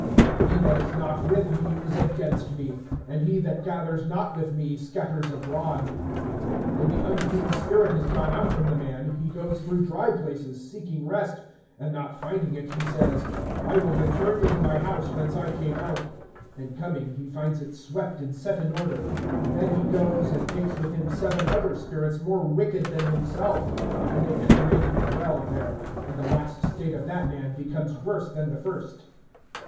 (23)He that is not with me is against me; and he that gathers not with me scatters abroad. (24)When the unclean spirit is gone out from the man, he goes through dry places, seeking rest; and not finding it, he says, I will return into my house whence I came out. (25)And coming, he finds it swept and set in order. (26)Then he goes, and takes with him seven other spirits more wicked than himself, and they enter in and dwell there; and the last state of that man becomes worse than the first.